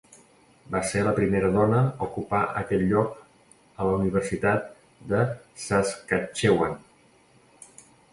Va ser la primera dona a ocupar aquest lloc a la Universitat de Saskatchewan.